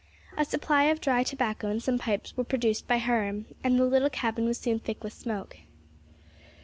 A supply of dry tobacco and some pipes were produced by Hiram, and the little cabin was soon thick with smoke.